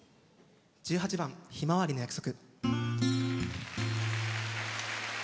１８番「ひまわりの約束」。